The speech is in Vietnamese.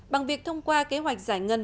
bằng việc thông qua kế hoạch giải ngân